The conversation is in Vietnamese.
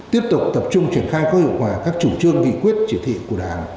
tiếp tục tập trung triển khai có hiệu quả các chủ trương nghị quyết chỉ thị của đảng